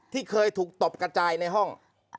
ที่เคยถูกตบกระจายในห้อง